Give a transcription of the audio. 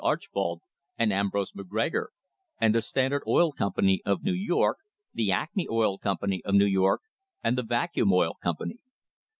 D. Archbold and Ambrose McGregor and the Standard Oil Company of New York, the Acme Oil Company of New York and the Vacuum Oil Company.